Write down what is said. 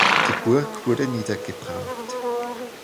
Die Burg wurde niedergebrannt.